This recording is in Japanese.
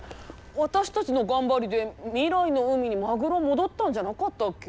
私たちの頑張りで未来の海にマグロ戻ったんじゃなかったっけ？